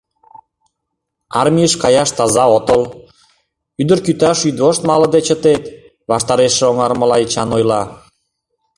— Армийыш каяш таза отыл, ӱдыр кӱташ йӱдвошт малыде чытет, — ваштарешыже оҥарымыла Эчан ойла.